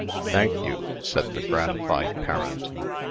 "Thank you," said the gratified parent.